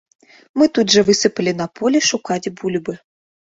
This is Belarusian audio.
Мы тут жа высыпалі на поле шукаць бульбы.